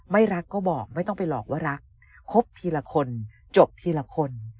ไม่รักก็บอกไม่ต้องไปหลอกว่ารักคบทีละคนจบทีละคน